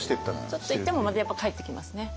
ちょっと行ってもまたやっぱ帰ってきますね。